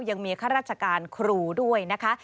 ข้าราชการครูด้วยนะคะ